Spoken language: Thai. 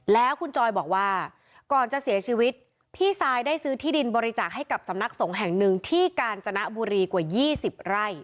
แล้วคุณจอยบอกว่าก่อนจะเสียชีวิตพี่ซายได้ซื้อที่ดินบริจาคให้กับสำนักสงฆ์แห่งหนึ่งที่กาญจนบุรีกว่า๒๐ไร่